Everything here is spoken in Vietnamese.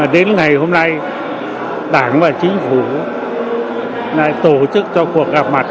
đến ngày hôm nay đảng và chính phủ tổ chức cho cuộc gặp mặt